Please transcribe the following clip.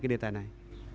cái đề tài này